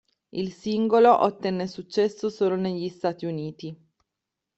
Il singolo ottenne successo solo negli Stati Uniti.